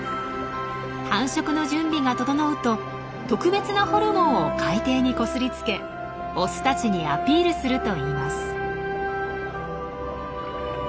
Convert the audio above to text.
繁殖の準備が整うと特別なホルモンを海底にこすりつけオスたちにアピールするといいます。